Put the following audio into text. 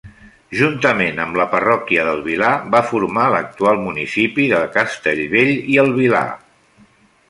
Juntament amb la parròquia del Vilar, va formar l'actual municipi de Castellbell i el Vilar.